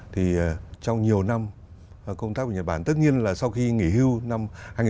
thì trong nhiều năm công tác của nhật bản tất nhiên là sau khi nghỉ hưu năm hai nghìn một mươi tám